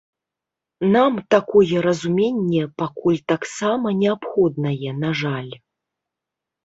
Нам такое разуменне пакуль таксама неабходнае, на жаль.